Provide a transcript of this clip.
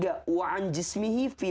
manusia akan ditanya untuk apa